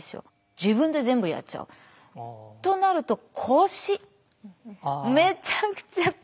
自分で全部やっちゃう。となると腰めちゃくちゃ腰痛めてしまって。